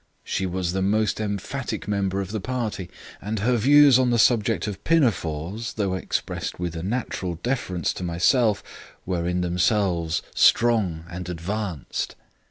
She was the most emphatic member of the party; and her views on the subject of pinafores, though expressed with a natural deference to myself, were in themselves strong and advanced.